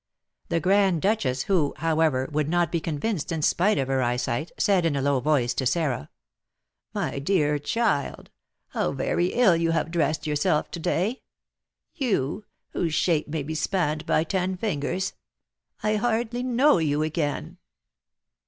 The Grand Duchess, who, however, would not be convinced in spite of her eyesight, said, in a low voice, to Sarah: "My dear child, how very ill you have dressed yourself to day, you, whose shape may be spanned by ten fingers. I hardly know you again."